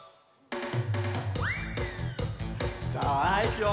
さあいくよ！